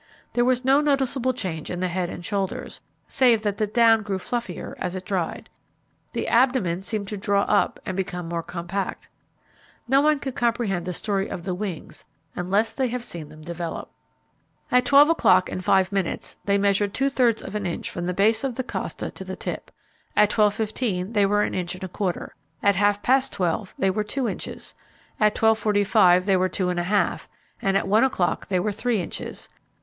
There was no noticeable change in the head and shoulders, save that the down grew fluffier as it dried. The abdomen seemed to draw up, and became more compact. No one can comprehend the story of the wings unless they have seen them develop. At twelve o'clock and five minutes, they measured two thirds of an inch from the base of the costa to the tip. At twelve fifteen they were an inch and a quarter. At half past twelve they were two inches. At twelve forty five they were two and a half; and at one o'clock they were three inches.